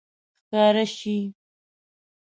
ښکاره شي